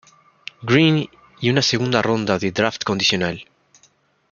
Green y una segunda ronda de draft condicional.